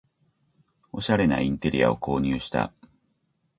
おしゃれなインテリアを購入した